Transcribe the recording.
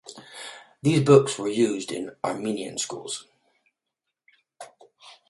These books were used in Armenian schools.